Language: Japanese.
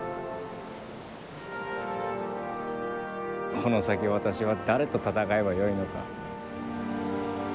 この先私は誰と戦えばよいのか。